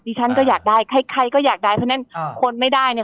ฉันก็อยากได้ใครใครก็อยากได้เพราะฉะนั้นคนไม่ได้เนี่ย